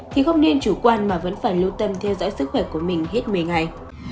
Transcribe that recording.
thì không nên chủ quan mà vẫn phải lưu tâm theo dõi sức khỏe của mình hết một mươi ngày